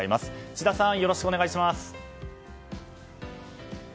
千田さん、よろしくお願いします。